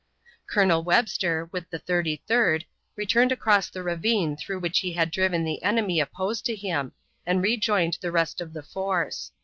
Colonel Webster, with the Thirty third, returned across the ravine through which he had driven the enemy opposed to him, and rejoined the rest of the force.